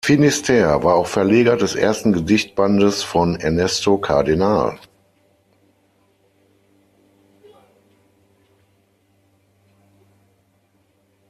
Finisterre war auch Verleger des ersten Gedichtbandes von Ernesto Cardenal.